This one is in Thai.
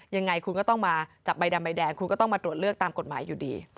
ยังไงคุณก็ต้องมาจับใบดำใบแดงคุณก็ต้องมาตรวจเลือกตามกฎหมายอยู่ดี